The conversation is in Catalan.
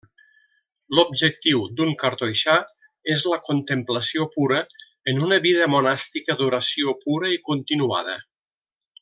L'objectiu d'un cartoixà és la contemplació pura, en una vida monàstica d'oració pura i continuada.